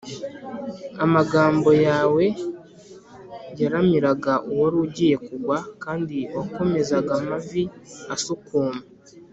amagambo yawe yaramiraga uwari ugiye kugwa, kandi wakomezaga amavi asukuma